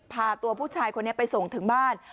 พาตัวผู้ชายคนนี้ไปส่งถึงบ้าน